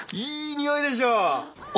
いいにおいでしょ？